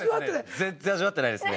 全然味わってないですね。